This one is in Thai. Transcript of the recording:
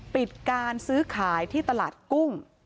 ปิดการซื้อขายที่ตลาดกุ้ง